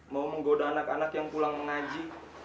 mau menggoda anak anak yang pulang mengaji